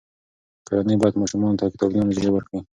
کورنۍ باید ماشومانو ته کتابونه او مجلې ورکړي.